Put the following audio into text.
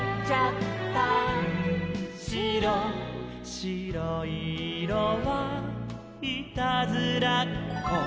「しろいいろはいたずらっこ」